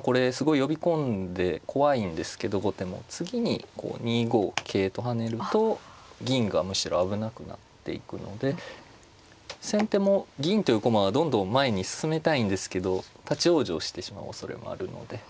これすごい呼び込んで怖いんですけど後手も次にこう２五桂と跳ねると銀がむしろ危なくなっていくので先手も銀という駒はどんどん前に進めたいんですけど立往生してしまうおそれもあるので。